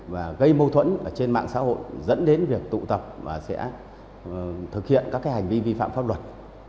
và gây mâu thuẫn trên mạng xã hội dẫn đến việc tụ tập và sẽ thực hiện các hành vi vi phạm pháp luật